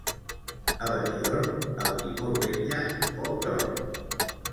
A Benidorm, el qui molt vetlla, poc dorm.